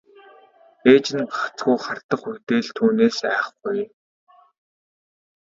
Ээж нь гагцхүү хардах үедээ л түүнээс айхгүй.